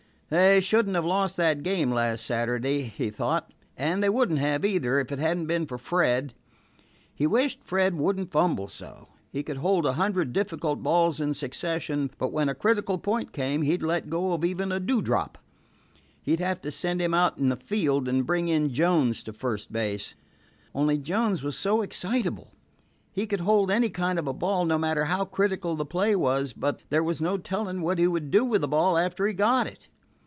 They should n't have lost that game last Saturday, he thought, and they would n't have, either, if it had n't been for Fred. He wished Fred would n't fumble so. He could hold a hundred difficult balls in succession, but when a critical point came, he 'd let go of even a dewdrop. He 'd have to send him out in the field and bring in Jones to first base. Only Jones was so excitable. He could hold any kind of a ball, no matter how critical the play was, but there was no telling what he would do with the ball after he got it.